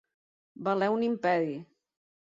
Valer un imperi.